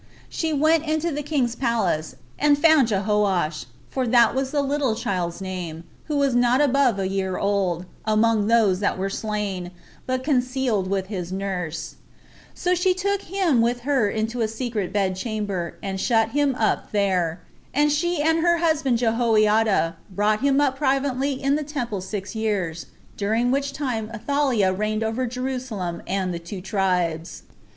She went into the king's palace, and found Jehoash, for that was the little child's name, who was not above a year old, among those that were slain, but concealed with his nurse; so she took him with her into a secret bed chamber, and shut him up there, and she and her husband Jehoiada brought him up privately in the temple six years, during which time Athaliah reigned over Jerusalem and the two tribes.